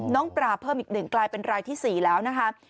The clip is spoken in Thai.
ปลาเพิ่มอีก๑กลายเป็นรายที่๔แล้วนะคะ